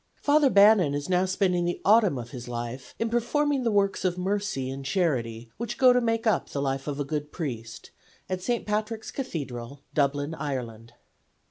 Father Bannon is now spending the autumn of his life in performing the works of mercy and charity which go to make up the life of a good priest, at St. Patrick's Cathedral, Dublin, Ireland.